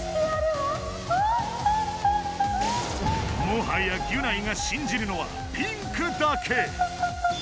もはやギュナイが信じるのはピンクだけ。